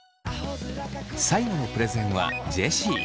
最後のプレゼンはジェシー。